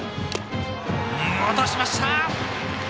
落としました。